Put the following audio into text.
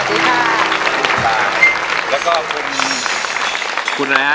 คุณปลาแล้วก็คุณคุณแนะ